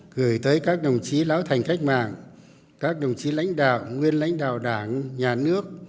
gửi tới các đồng chí lão thành cách mạng các đồng chí lãnh đạo nguyên lãnh đạo đảng nhà nước